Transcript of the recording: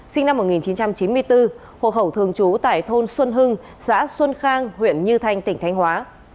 sinh năm một nghìn chín trăm chín mươi bốn hộ khẩu thường trú tại thôn xuân hưng xã xuân khang huyện như thanh tỉnh thanh hóa